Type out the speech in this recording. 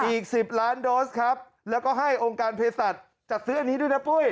อีก๑๐ล้านโดสครับแล้วก็ให้องค์การเพศสัตว์จัดซื้ออันนี้ด้วยนะปุ้ย